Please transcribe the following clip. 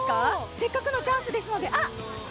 せっかくのチャンスですので。